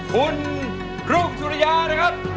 คุณลูกธุระยานะครับ